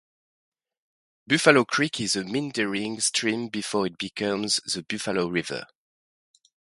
Buffalo Creek is a meandering stream before it becomes the Buffalo River.